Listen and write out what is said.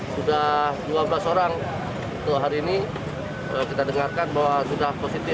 sudah dua belas orang hari ini kita dengarkan bahwa sudah positif